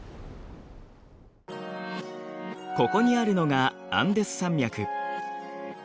ここにあるのがアンデス山脈。